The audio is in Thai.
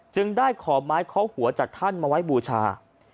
จึงได้ขอไม้เคาะหัวจากท่านมาไว้บูชา